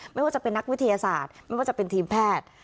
ไม่ว่าจะเป็นนักวิทยาศาสตร์ไม่ว่าจะเป็นทีมแพทย์